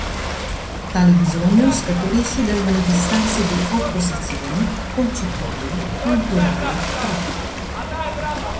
Tale bisogno scaturisce dal manifestarsi di opposizioni, concettuali, culturali, pratiche.